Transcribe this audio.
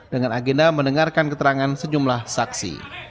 dengan agenda mendengarkan keterangan sejumlah saksi